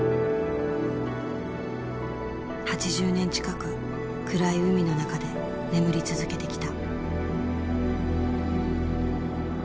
８０年近く暗い海の中で眠り続けてきた。